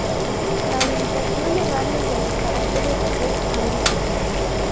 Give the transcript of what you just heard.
La orientación de varios de los caracteres es ambigua.